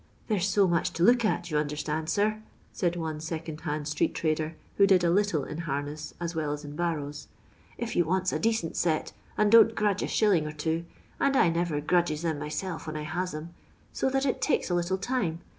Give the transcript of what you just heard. " There 's so much to look at, you understand, sir," said one second hand street trader, who did a little in harness as well as in barrows, " if you wants a decent set, and don't grudge a shilling or two— and I never grudges them myself when I has 'em — so that it takes a little time.